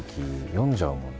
読んじゃうもんな。